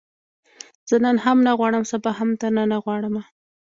زه نن هم نه غواړم، سبا هم درنه نه غواړمه